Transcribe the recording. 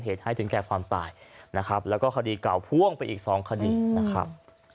เหตุให้ถึงแก่ความตายนะครับแล้วก็คดีเก่าพ่วงไปอีกสองคดีนะครับ